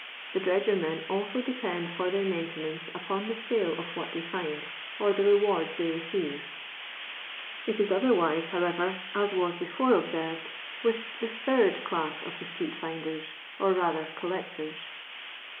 The dredgermen also depend for their maintenance upon the nie of what they find, or the rewards they receive. It is otherwise, however, as was before observed, with the third class of the street finders, or rather collectors.